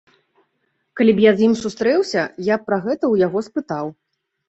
Калі б я з ім сустрэўся, я б пра гэта ў яго спытаў.